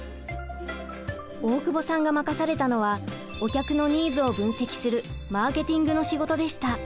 大久保さんが任されたのはお客のニーズを分析するマーケティングの仕事でした。